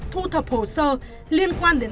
thu thập hồ sơ liên quan đến